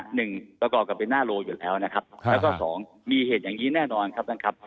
หนึ่งประกอบกับเป็นหน้าโลอยู่แล้วนะครับแล้วก็สองมีเหตุอย่างนี้แน่นอนครับท่านครับ